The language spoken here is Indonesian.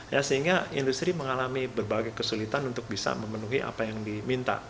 ya sehingga industri mengalami berbagai kesulitan untuk bisa memenuhi apa yang diminta